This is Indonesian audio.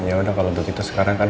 ya udah kalau begitu sekarang kan